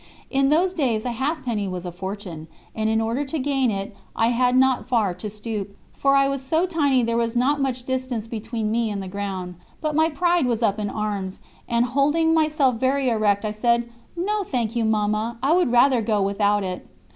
In those days a halfpenny was a fortune, and in order to gain it I had not far to stoop, for I was so tiny there was not much distance between me and the ground; but my pride was up in arms, and holding myself very erect, I said, "No, thank you, Mamma, I would rather go without it."